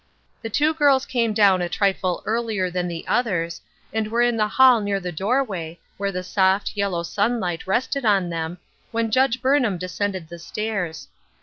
The two girls came down a trifle earlier than the others, and were in the hall near the door way, where the soft, yellow sunlight rested on them, when Judge Burnham descended the Btairs.